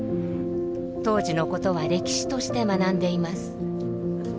当時のことは歴史として学んでいます。